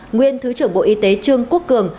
nguyên thứ trưởng bộ y tế trương quốc cường